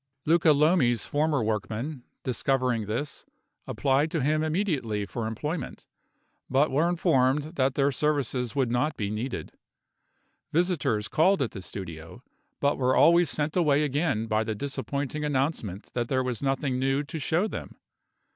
Luca Lomi's former workmen, discovering this, applied to him immediately for employment; but were informed that their services would not be needed. Visitors called at the studio, but were always sent away again by the disappointing announcement that there was nothing new to show them.